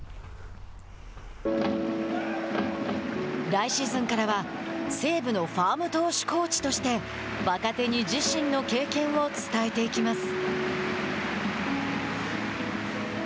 来シーズンからは西武のファーム投手コーチとして若手たちに自身の経験を伝えていきます。